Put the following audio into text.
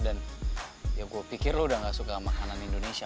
ya gue pikir lo udah gak suka makanan indonesia